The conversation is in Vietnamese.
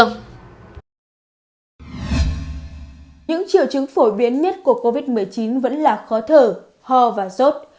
những triệu chứng phổ biến nhất của covid một mươi chín vẫn là khó thở ho và sốt